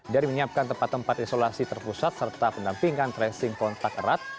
dari menyiapkan tempat tempat isolasi terpusat serta pendampingan tracing kontak erat